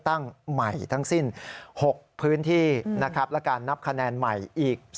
ตั้งใหม่ทั้งสิ้น๖พื้นที่นะครับและการนับคะแนนใหม่อีก